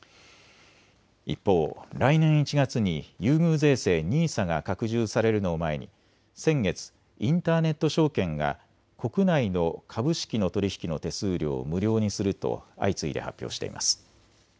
一方、来年１月に優遇税制ＮＩＳＡが拡充されるのを前に先月、インターネット証券が国内の株式の取り引きの手数料を無料にすると相次いで発表しています。